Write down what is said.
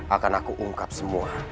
akan aku ungkap semua